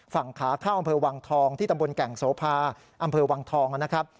ฝั่งขาเข้าอำเภอวังทองที่ตำบลแก่งโสภาอำเภอวังทองนะครับ